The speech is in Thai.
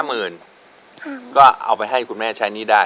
หมื่นก็เอาไปให้คุณแม่ใช้หนี้ได้